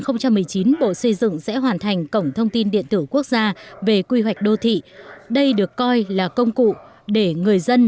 năm hai nghìn một mươi chín bộ xây dựng sẽ hoàn thành cổng thông tin điện tử quốc gia về quy hoạch đô thị đây được coi là công cụ để người dân